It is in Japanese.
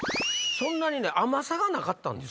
そんなに甘さがなかったんですよ。